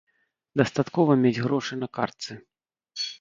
Дастаткова мець грошы на картцы.